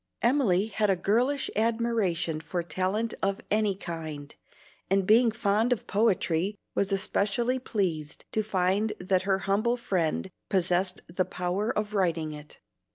Emily had a girlish admiration for talent of any kind, and being fond of poetry, was especially pleased to find that her humble friend possessed the power of writing it.